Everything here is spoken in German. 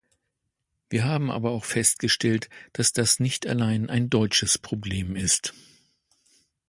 Wir haben aber auch festgestellt, dass das nicht allein ein deutsches Problem ist.